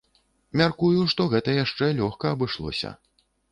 Мяркую, што гэта яшчэ лёгка абышлося.